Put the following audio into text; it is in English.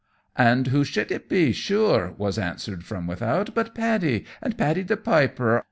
"And who should it be, sure," was answered from without, "but Paddy, auld Paddy the Piper?